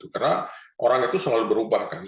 karena orang itu selalu berubah kan